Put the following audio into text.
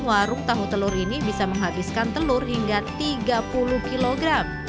warung tahu telur ini bisa menghabiskan telur hingga tiga puluh kg